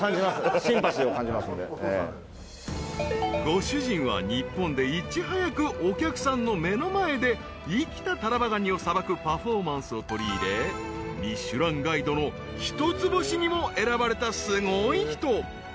［ご主人は日本でいち早くお客さんの目の前で生きたタラバガニをさばくパフォーマンスを取り入れ『ミシュランガイド』の一つ星にも選ばれたすごい人］